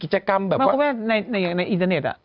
อึกอึกอึกอึกอึก